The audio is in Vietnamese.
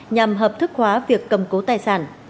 nhằm hợp thức hóa việc cầm cố tài sản